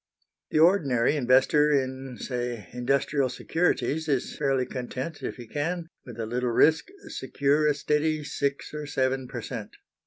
The ordinary investor in, say, industrial securities is fairly content if he can, with a little risk, secure a steady six or seven per cent.